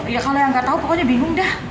ya kalau yang nggak tahu pokoknya bingung deh